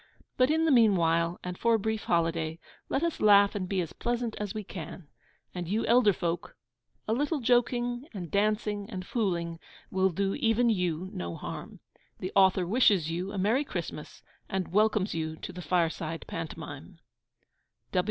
But, in the meanwhile, and for a brief holiday, let us laugh and be as pleasant as we can. And you elder folk a little joking, and dancing, and fooling will do even you no harm. The author wishes you a merry Christmas, and welcomes you to the Fireside Pantomime.